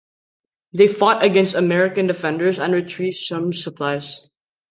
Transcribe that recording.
They fought against American defenders and retrieved some supplies.